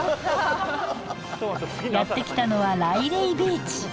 やって来たのはライレイビーチ。